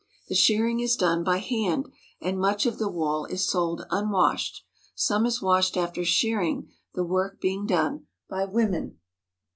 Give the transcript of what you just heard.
The shearing is done by hand, and much of the wool is sold unwashed. Some is washed after shearing, the work being done by women.